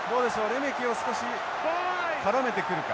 レメキを少し絡めてくるか。